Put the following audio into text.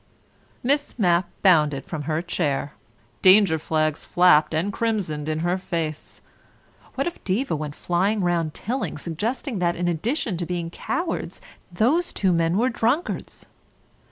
Miss Mapp bounded from her chair. Danger flags flapped and crimsoned in her face. What if Diva went flying round Tilling, suggesting that in addition to being cowards those two men were drunkards?